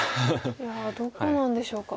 いやどこなんでしょうか。